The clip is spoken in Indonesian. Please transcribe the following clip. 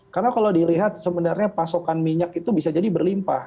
karena kalau dilihat sebenarnya pasokan minyak itu bisa jadi berlimpah